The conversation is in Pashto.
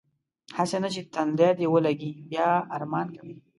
هسې نه چې تندی دې ولږي بیا ارمان کوې.